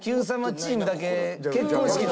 チームだけ。